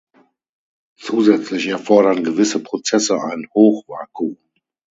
Zusätzlich erfordern gewisse Prozesse ein Hochvakuum.